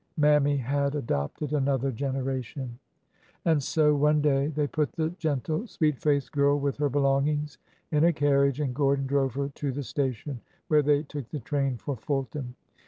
Mammy had adopted another generation. And so one day they put the gentle, sweet faced girl, with her belongings, in a carriage, and Gordon drove her to the station, where they took the train for Fulton.